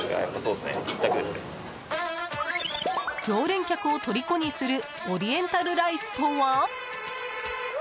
常連客をとりこにするオリエンタルライスとは？